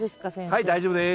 はい大丈夫です。